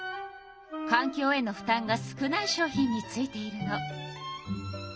かんきょうへの負たんが少ない商品についているの。